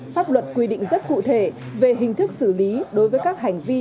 pháp luật quy định rất cụ thể về hình thức xử lý đối với các hành vi